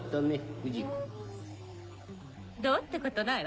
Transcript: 不二子・どうってことないわ。